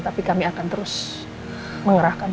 tapi kami akan terus mengerahkan